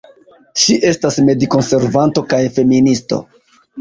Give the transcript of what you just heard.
Ŝi estas medikonservanto kaj feministo.